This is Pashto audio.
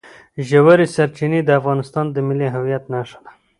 ژورې سرچینې د افغانستان د ملي هویت نښه ده.